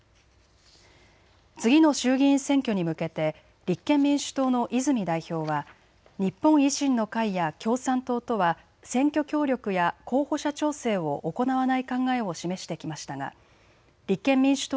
次の衆議院選挙に向けて立憲民主党の泉代表は日本維新の会や共産党とは選挙協力や候補者調整を行わない考えを示してきましたが立憲民主党